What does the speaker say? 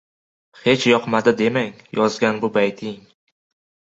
Hech yoqmadi demang yozgan bu bayting